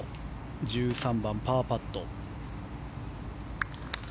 １３番、パーパット。